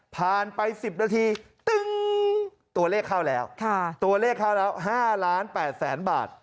ผ่านไปสิบนาทีตั๊งตัวเลขเข้าแล้วท่าตัวเลขเข้าแล้วห้าล้านแปดแสนบาท